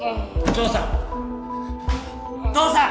父さん。